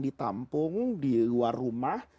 ditampung di luar rumah